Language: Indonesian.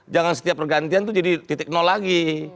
jangan setiap pergantian itu jadi titik nol lagi